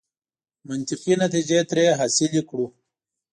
منطقي نتیجې ترې حاصلې کړو.